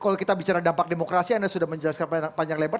kalau kita bicara dampak demokrasi anda sudah menjelaskan panjang lebar